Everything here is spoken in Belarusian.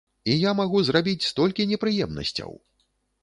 І я магу зрабіць столькі непрыемнасцяў!